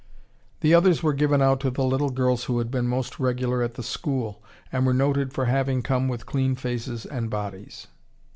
The others were given out to the little girls who had been most regular at the school, and were noted for having come with clean faces and bodies.